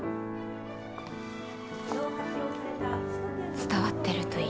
伝わってるといいね。